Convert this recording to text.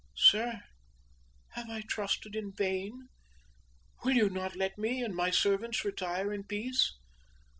Sir, have I trusted in vain? Will you not let me and my servants retire in peace?